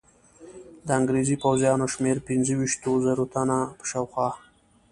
د انګرېزي پوځیانو شمېر پنځه ویشتو زرو تنو په شاوخوا.